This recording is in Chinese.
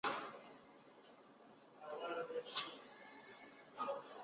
马家台汉墓的历史年代为汉。